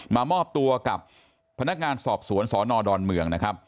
มามอบตัวกับพนักงานสอบสวนสนดอนเมืองนะครับ